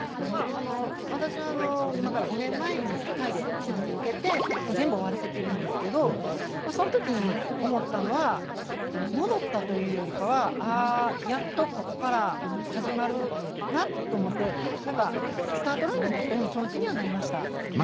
私は今から５年前にタイで手術受けて全部終わらせてるんですけどその時に思ったのは戻ったというよりかは「あやっとここから始まるな」と思って何かスタートラインに立ったような気持ちにはなりました。